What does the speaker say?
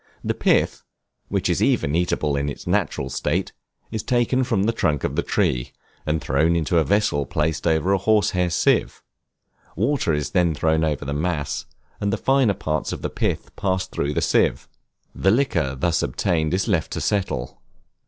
The pith, which is even eatable in its natural state, is taken from the trunk of the tree, and thrown into a vessel placed over a horse hair sieve; water is then thrown over the mass, and the finer parts of the pith pass through the sieve; the liquor thus obtained is left to settle.